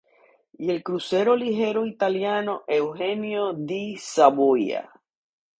Y el crucero ligero italiano Eugenio di Savoia.